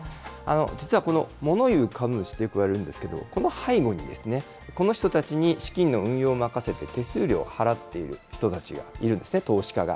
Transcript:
実はこのもの言う株主ってよくいわれるんですけど、この背後に、この人たちに資金の運用を任せて、手数料を払っている人たちがいるんですね、投資家が。